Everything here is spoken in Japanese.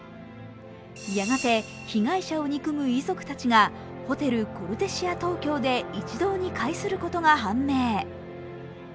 やがて被害者を憎む遺族たちがホテル・コルテシア東京で一堂に会することが判明。